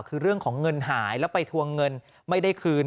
คือเรื่องของเงินหายแล้วไปทวงเงินไม่ได้คืน